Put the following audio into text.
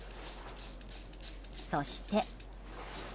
そして。